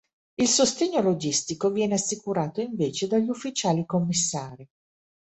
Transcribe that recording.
Il sostegno logistico viene assicurato invece dagli ufficiali commissari.